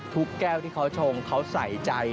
ทุกแก้วที่เค้าชงเค้าใส่ใจ